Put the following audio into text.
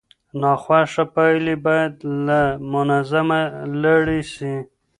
ناخوښه پایلې باید له منځه لاړې سي.